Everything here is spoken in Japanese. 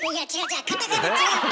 カタカナ違う！